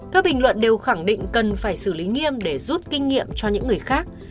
các bình luận đều khẳng định cần phải xử lý nghiêm để rút kinh nghiệm cho những người khác